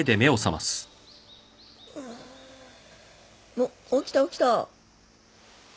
おっ起きた起きた。